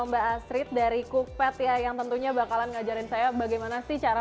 mbak astrid dari cookpad ya yang tentunya bakalan ngajarin saya bagaimana sih cara